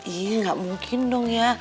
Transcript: iya nggak mungkin dong ya